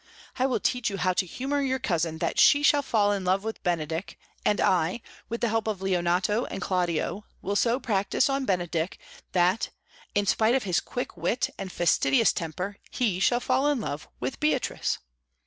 I will teach you how to humour your cousin that she shall fall in love with Benedick, and I, with the help of Leonato and Claudio, will so practise on Benedick that, in spite of his quick wit and fastidious temper, he shall fall in love with Beatrice.